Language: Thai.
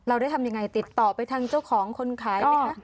เราได้ทำยังไงติดต่อไปทางเจ้าของคนขายไหมคะ